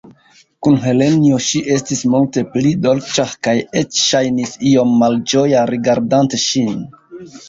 Kun Helenjo, ŝi estis multe pli dolĉa kaj eĉ ŝajnis iom malĝoja rigardante ŝin.